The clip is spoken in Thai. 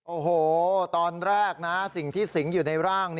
โอ้โหตอนแรกนะสิ่งที่สิงอยู่ในร่าง